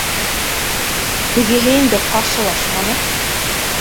Тегеһе инде ҡаршылашманы